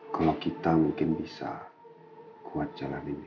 kalau kita mungkin bisa kuat jalanin ya